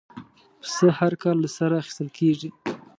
پسه هر کال له سره اخېستل کېږي.